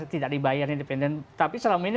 tidak dibayar independen tapi selama ini